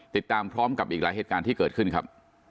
ติดตามพร้อมกับอีกหลายเหตุการณ์ที่เกิดขึ้นครับ